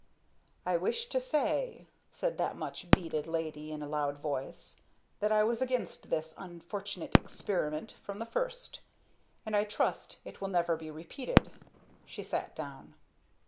"I wish to say," said that much beaded lady in a loud voice, "that I was against this unfortunate experiment from the first. And I trust it will never be repeated!" She sat down.